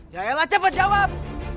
ya elah cepet jawab